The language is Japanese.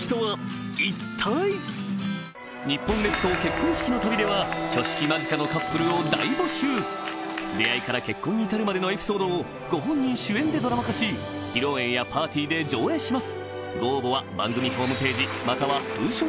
日本列島結婚式の旅では挙式間近のカップルを大募集出会いから結婚に至るまでのエピソードをご本人主演でドラマ化し披露宴やパーティーで上映します